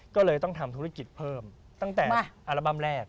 ก็เลยต้องทำธุรกิจเพิ่มตั้งแต่อัลบั้มแรก